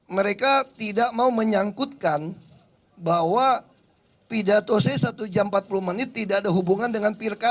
mereka tidak mau menyangkutkan bahwa pidato saya satu jam empat puluh menit tidak ada hubungan dengan pilkada